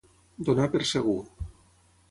Donar per segur.